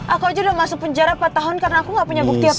aku aja udah masuk penjara empat tahun karena aku gak punya bukti apa